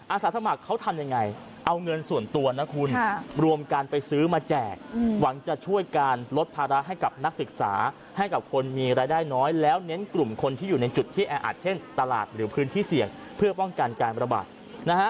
สาสมัครเขาทำยังไงเอาเงินส่วนตัวนะคุณรวมกันไปซื้อมาแจกหวังจะช่วยการลดภาระให้กับนักศึกษาให้กับคนมีรายได้น้อยแล้วเน้นกลุ่มคนที่อยู่ในจุดที่แออัดเช่นตลาดหรือพื้นที่เสี่ยงเพื่อป้องกันการระบาดนะฮะ